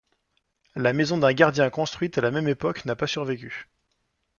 La maison d'un gardien construite à la même époque n'a pas survécu.